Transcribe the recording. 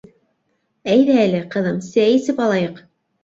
- Әйҙә әле, ҡыҙым, сәй эсеп алайыҡ.